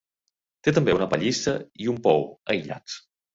Té també una pallissa i un pou, aïllats.